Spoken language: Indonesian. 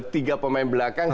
tiga pemain belakang